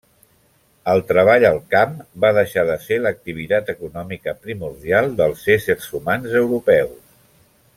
El treball al camp va deixar de ser l'activitat econòmica primordial dels éssers humans europeus.